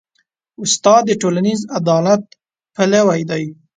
استاد د ټولنیز عدالت پلوی دی.